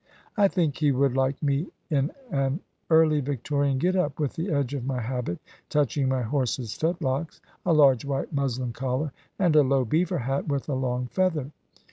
"I think he would like me in an early Victorian get up, with the edge of my habit touching my horse's fetlocks, a large white muslin collar, and a low beaver hat with a long feather.